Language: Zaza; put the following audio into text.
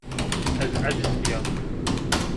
Ez eciz bîya